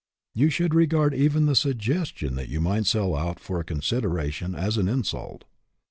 You should regard even the suggestion that you might sell out for a consideration as an insult.